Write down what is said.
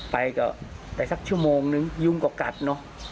ไปก็ไปสักชั่วโมงนึงยุงก็กัดเนอะ